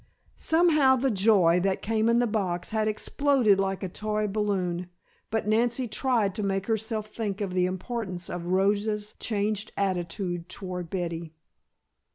Somehow the joy that came in the box had exploded like a toy balloon, but Nancy tried to make herself think of the importance of Rosa's changed attitude toward Betty.